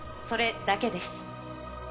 それだけです